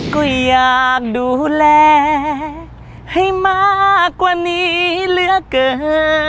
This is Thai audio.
ก็อยากดูแลให้มากกว่านี้เหลือเกิน